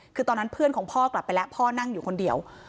คือตอนนั้นเพื่อนของพ่อกลับไปแล้วพ่อนั่งอยู่คนเดียว